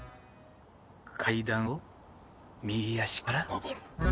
階段を右足から上る。